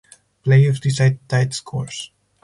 Playoffs decide tied scores.